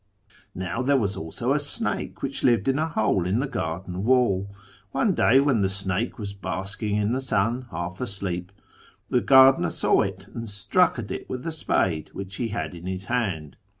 " Now, there was also a snake which lived in a hole in the garden wall. One day, when the snake was basking in the sun half asleep, the gardener saw it and struck at it with a spade which he had in his hand.